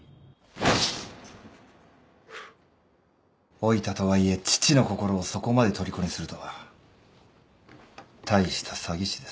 老いたとはいえ父の心をそこまでとりこにするとは大した詐欺師です。